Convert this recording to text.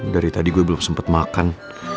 dari tadi gue belum sempat makan